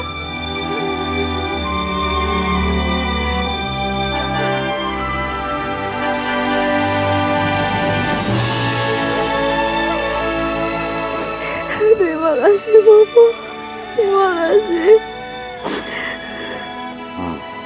terima kasih bopo terima kasih